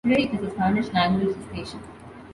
Today it is a Spanish-language station.